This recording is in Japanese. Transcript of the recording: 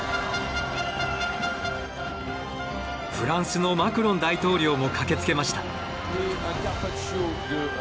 フランスのマクロン大統領も駆けつけました。